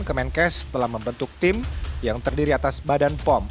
kemenkes telah membentuk tim yang terdiri atas badan pom